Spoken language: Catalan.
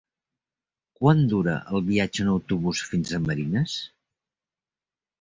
Quant dura el viatge en autobús fins a Marines?